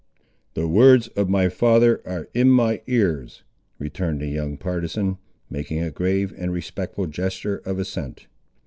"The words of my father are in my ears," returned the young partisan, making a grave and respectful gesture of assent.